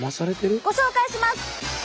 ご紹介します。